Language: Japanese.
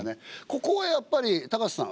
ここはやっぱり高瀬さん